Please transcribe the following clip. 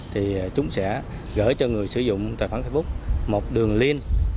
thì chúng sẽ gửi cho người sử dụng tài khoản facebook một đường lind